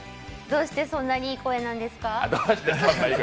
どうして、そんなにいい声なんですか？